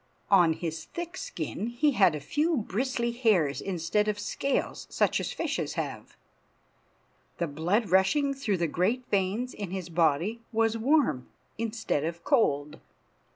On his thick skin he had a few bristly hairs instead of scales such as fishes have. The blood rushing through the great veins in his body was warm instead of cold.